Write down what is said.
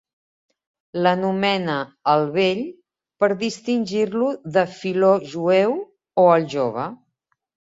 L'anomena el Vell per distingir-lo de Filó Jueu o el Jove.